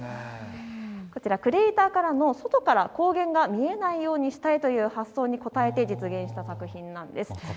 こちら、クリエーターからの外から光源が見えないようにしたいという発想に応えて実現化させた作品なんです。